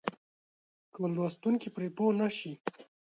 که لوستونکی پرې پوه نه شي.